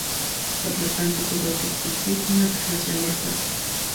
Por lo tanto tuvo que existir una traslación del cuerpo.